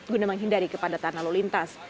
guna menghindari kepada tanah lalu lintas